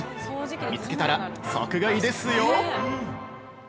見つけたら即買いですよ。